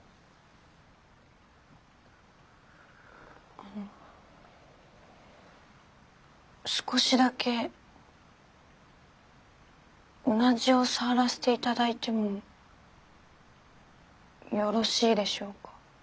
あの少しだけうなじを触らせて頂いてもよろしいでしょうか？